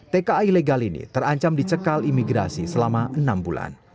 tki ilegal ini terancam dicekal imigrasi selama enam bulan